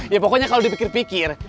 ya pokoknya kalau dipikir pikir